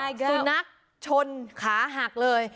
สุนัขชนขาหักเลย